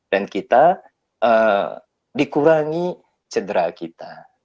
kita dikurangi cedera kita